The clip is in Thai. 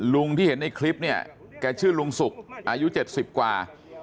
ที่เห็นในคลิปเนี่ยแกชื่อลุงสุกอายุ๗๐กว่า